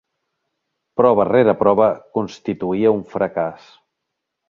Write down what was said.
Prova rere prova constituïa un fracàs.